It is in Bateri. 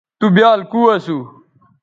تُو بیال کو اسو